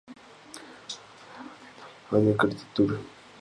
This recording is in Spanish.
El lema de la convocatoria fue "People meet in architecture.